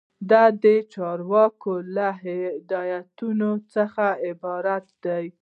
دا د چارواکو له هدایاتو څخه عبارت دی.